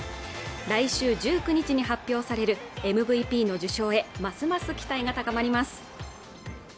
来週１９日に発表されるＭＶＰの受賞へますます期待が高まります